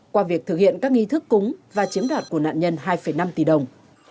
qua việc thực hiện các nghi thức cúng và chiếm đoạt của nạn nhân hai năm tỷ đồng